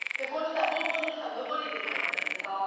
ぼんぼりの残りでやったのね。